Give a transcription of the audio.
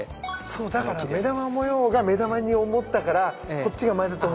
そうだから目玉模様が目玉に思ったからこっちが前だと思っちゃったんだ。